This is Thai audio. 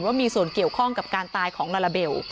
ว่ามีส่วนเกี่ยวข้องกับการตายของลาลาเบล